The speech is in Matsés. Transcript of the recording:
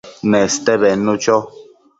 Neste bednu cho